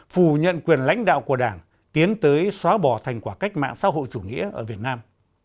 phù nhận quyền lãnh đạo của đảng tiến tới xóa bỏ thành quả cách mạng xã hội chủ nghĩa ở việt nam